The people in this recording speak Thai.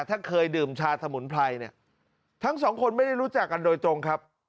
ถ้าเคยดื่มชาสมุนไพรเนี่ยทั้งสองคนไม่ได้รู้จักกันโดยตรงครับ